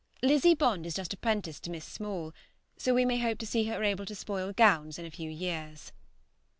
Lizzie Bond is just apprenticed to Miss Small, so we may hope to see her able to spoil gowns in a few years.